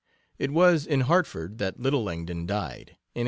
It was in Hartford that little Langdon died, in 1872.